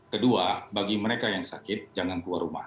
kedua bagi mereka yang sakit jangan keluar rumah